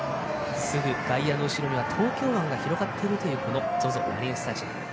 外野の後ろには東京湾が広がっているというＺＯＺＯマリンスタジアム。